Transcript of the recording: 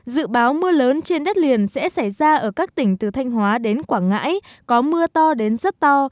dự báo mưa lớn trên đất liền sẽ xảy ra ở các tỉnh từ thanh hóa đến quảng ngãi có mưa to đến rất to